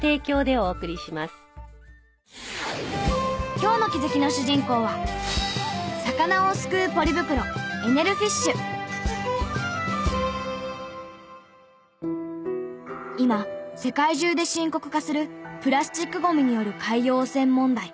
今日の気づきの主人公は今世界中で深刻化するプラスチックゴミによる海洋汚染問題。